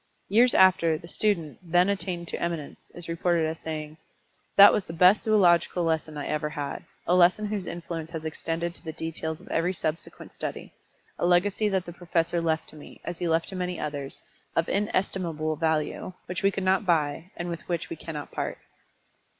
Years after, the student, then attained to eminence, is reported as saying: "That was the best zoological lesson I ever had a lesson whose influence has extended to the details of every subsequent study; a legacy that the professor left to me, as he left to many others, of inestimable value, which we could not buy, and with which we cannot part."